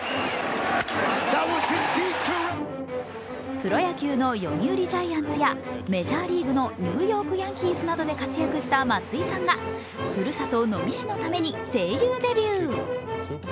プロ野球の読売ジャイアンツやメジャーリーグのニューヨーク・ヤンキースなどで活躍した松井さんがふるさと能美市のために声優デビュー。